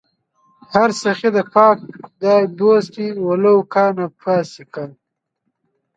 هر سخي د پاک خدای دوست دئ ولو کانَ فاسِقا